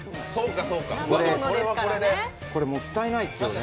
これ、もったいないですよね。